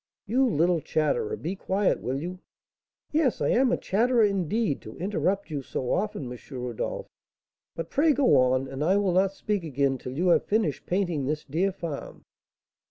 "You little chatterer, be quiet, will you?" "Yes, I am a chatterer, indeed, to interrupt you so often, M. Rodolph; but pray go on, and I will not speak again till you have finished painting this dear farm."